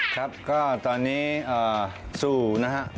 ครับก็ตอนนี้ซู่นะครับ